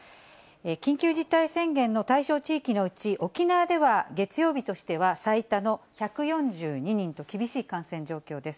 緊急事態宣言の対象地域のうち、沖縄では月曜日としては最多の１４２人と厳しい感染状況です。